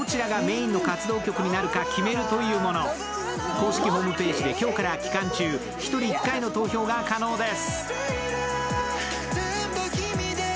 公式ホームページで今日から期間中、１人１回の投票が可能です。